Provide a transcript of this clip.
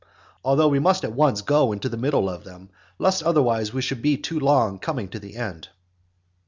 Although we must at once go into the middle of them, lest otherwise we should be too long in coming to the end.